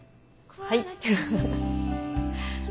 はい。